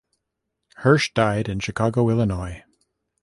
Hirsch died in Chicago, Illinois.